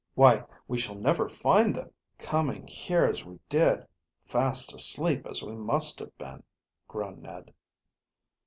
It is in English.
"Why, we shall never find them!" "Coming here as we did, fast asleep as we must have been," groaned Ned.